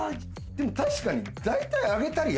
でも確かに。